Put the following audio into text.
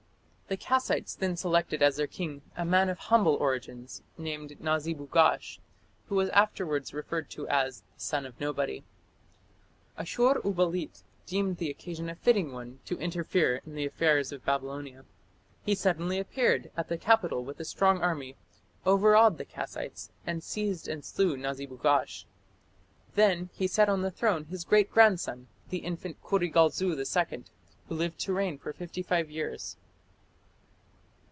The Kassites then selected as their king a man of humble origin, named Nazibugash, who was afterwards referred to as "the son of nobody". Ashur uballit deemed the occasion a fitting one to interfere in the affairs of Babylonia. He suddenly appeared at the capital with a strong army, overawed the Kassites, and seized and slew Nazibugash. Then he set on the throne his great grandson the infant Kurigalzu II, who lived to reign for fifty five years.